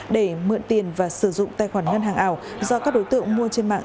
để mượn tiền và sử dụng tài khoản ngân hàng ảo do các đối tượng mua trên mạng